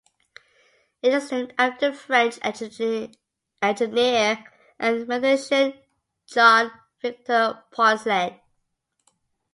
It is named after French engineer and mathematician Jean-Victor Poncelet.